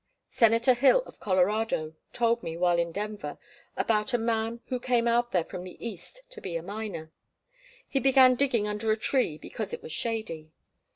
Senator Hill of Colorado told me, while in Denver, about a man who came out there from the East to be a miner. He began digging under a tree because it was shady.